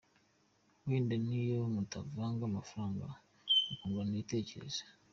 Wenda n’iyo mutavanga amafaranga, mukungurana ibitekerezo.